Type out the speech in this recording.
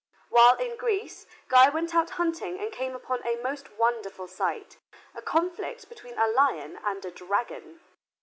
While in Greece, Guy went out hunting and came upon a most wonderful sight, a conflict between a lion and a dragon.